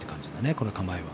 この構えは。